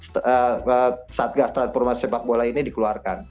dari mana hukum satgas transformasi sepak bola ini dikeluarkan